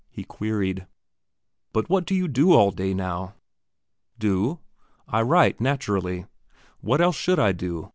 He queried: "But what do you do all day now?" "Do? I write, naturally. What else should I do?